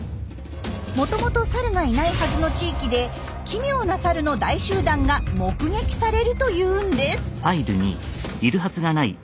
もともとサルがいないはずの地域で奇妙なサルの大集団が目撃されるというんです。